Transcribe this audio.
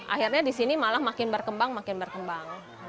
akhirnya disini malah makin berkembang makin berkembang